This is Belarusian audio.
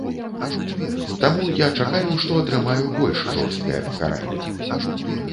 Таму я чакаю, што атрымаю больш жорсткае пакаранне.